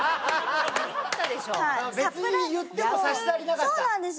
そうなんですよ